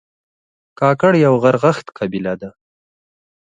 کاکړ یو غرغښت قبیله ده